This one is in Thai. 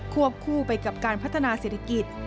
วบคู่ไปกับการพัฒนาเศรษฐกิจ